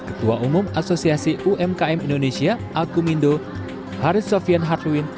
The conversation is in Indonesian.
ketua umum asosiasi umkm indonesia akumindo haris sofian hartwin